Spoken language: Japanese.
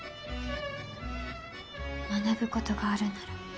学ぶことがあるなら。